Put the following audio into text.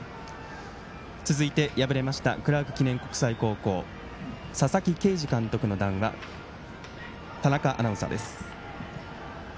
続いて、敗れましたクラーク記念国際の佐々木啓司監督の談話田中アナウンサーです。